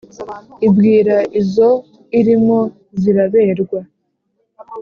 ibwira izo irimo ziraberwa,